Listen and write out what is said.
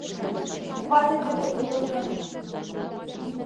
Вате-тапет уло гын